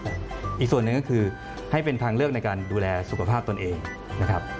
อีกส่วนหนึ่งก็คือให้เป็นทางเลือกในการดูแลสุขภาพตนเองนะครับ